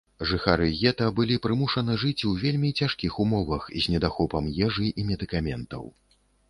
Жыхары гета былі прымушаны жыць у вельмі цяжкіх умовах, з недахопам ежы і медыкаментаў.